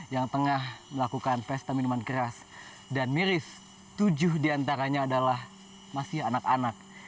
yang tengah melakukan pesta minuman keras dan miris tujuh diantaranya adalah masih anak anak